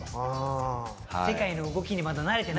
世界の動きにまだ慣れてない。